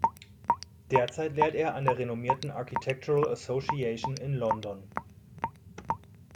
Derzeit lehrt er an der renommierten Architectural Association in London.